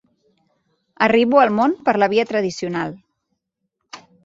Arribo al món per la via tradicional.